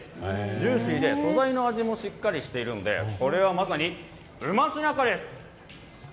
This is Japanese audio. ジューシーで素材の味もしっかりしているのでこれはまさに、うましナカです！